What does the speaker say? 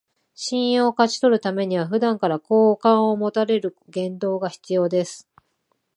信用を勝ち取るためには、普段から好感を持たれる言動が必要です